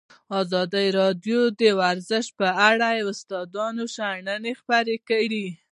ازادي راډیو د ورزش په اړه د استادانو شننې خپرې کړي.